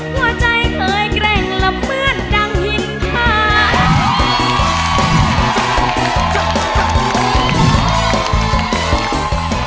หัวใจเคยแกร่งละเปื้อนดังหินคา